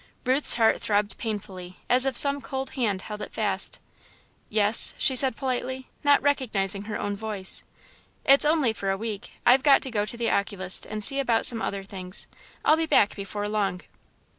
Ruth's heart throbbed painfully, as if some cold hand held it fast. "Yes," she said, politely, not recognising her own voice. "It's only for a week I've got to go to the oculist and see about some other things. I'll be back before long."